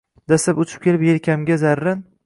Pastlab uchib kelib, yelkamga zarrin